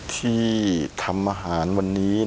ที่ทำอาหารวันนี้นะครับ